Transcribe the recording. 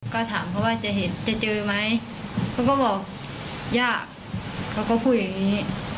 ก็ถามเขาว่าจะเห็นจะเจอไหมเขาก็บอกยากเขาก็พูดอย่างนี้